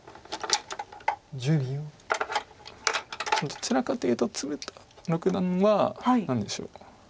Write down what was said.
どちらかというと鶴田六段は何でしょう